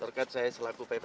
terkait saya selaku ppk